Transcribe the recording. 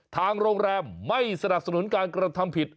ทางโรงแรมไม่สนับสนุนการกระทำผิด